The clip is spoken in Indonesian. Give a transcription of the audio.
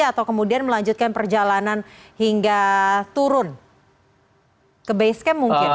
atau kemudian melanjutkan perjalanan hingga turun ke basecamp mungkin